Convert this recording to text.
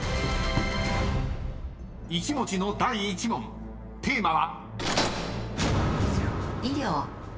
［１文字の第１問テーマは］